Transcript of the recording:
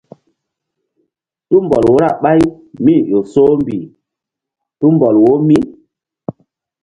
Tumbɔl wo ra ɓáy mí-i ƴo soh mbih tumbɔl wo mí.